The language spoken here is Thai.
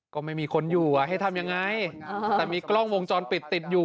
ก็ไม่มีคนอยู่ให้ทำยังไงแต่มีกล้องวงจรปิดติดอยู่